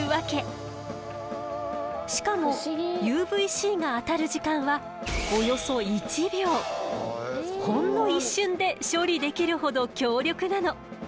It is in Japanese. しかもＵＶーＣが当たる時間はほんの一瞬で処理できるほど強力なの。